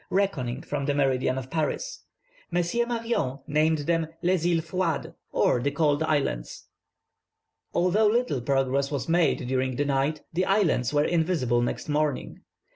reckoning from the meridian of Paris. M. Marion named them Les Îles Froides, or the Cold Islands. "Although little progress was made during the night, the islands were invisible next morning.